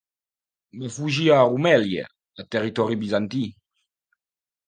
Va fugir a Rumèlia, a territori bizantí.